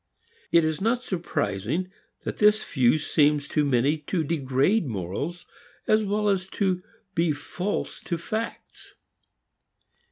It is not surprising that this view seems to many to degrade morals, as well as to be false to facts.